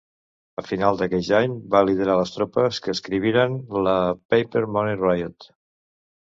A finals d'aqueix any, va liderar les tropes que escriviren la Paper Money Riot.